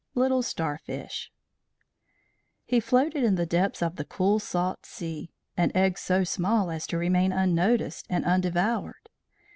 IV. LITTLE STARFISH He floated in the depths of the cool salt sea, an egg so small as to remain unnoticed and undevoured.